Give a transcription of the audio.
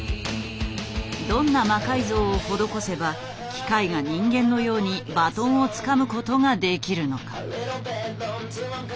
どんな魔改造を施せば機械が人間のようにバトンをつかむことができるのか。